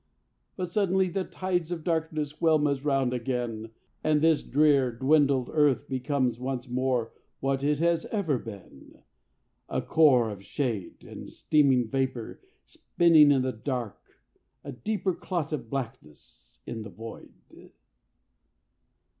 But suddenly The tides of darkness whelm us round again And this drear dwindled earth becomes once more What it has ever been a core of shade And steaming vapor spinning in the dark, A deeper clot of blackness in the void!